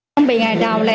không bị ngài đào là em